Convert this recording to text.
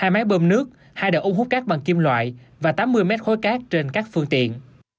hai máy bơm nước hai đợt uống hút cát bằng kim loại và tám mươi mét khối cát trên các phương tiện